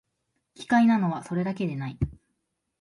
奇怪なのは、それだけでない